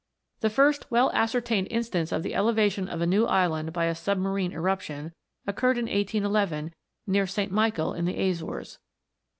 The first well ascertained instance of the eleva tion of a new island by a submarine eruption, occurred in 1811, near St. Michael, in the Azores.